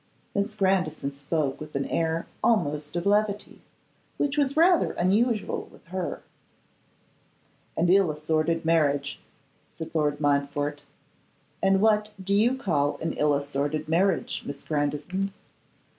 Miss Grandison spoke with an air almost of levity, which was rather unusual with her. 'An ill assorted marriage,' said Lord Montfort. 'And what do you call an ill assorted marriage, Miss Grandison?